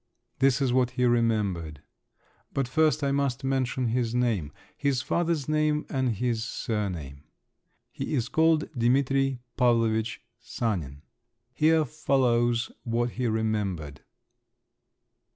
This is what he remembered…. But first I must mention his name, his father's name and his surname. He was called Dimitri Pavlovitch Sanin. Here follows what he remembered.